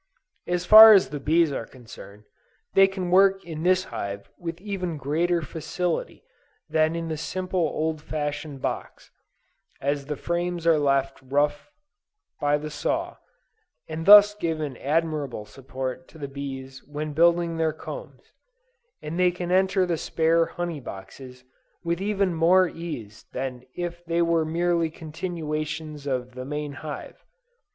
As far as the bees are concerned, they can work in this hive with even greater facility than in the simple old fashioned box, as the frames are left rough by the saw, and thus give an admirable support to the bees when building their combs; and they can enter the spare honey boxes, with even more ease than if they were merely continuations of the main hive.